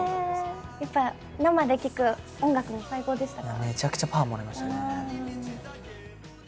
やっぱ生で聴く音楽も最高でしたか？